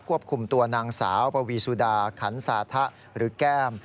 ควบคุมตัวนางสาวปวีสุดาขันสาธะหรือแก้ม